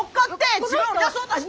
自分を売り出そうとして。